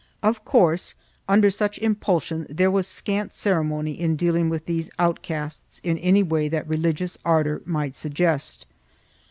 Of course under such impulsion there was scant ceremony in dealing with these outcasts in any way that religious ardor might suggest.